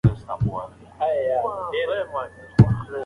هغه به بله هیڅ وعده راسره ونه کړي.